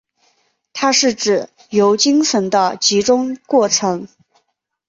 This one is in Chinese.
它是指经由精神的集中过程。